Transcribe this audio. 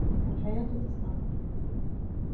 الحياة تستمرّ.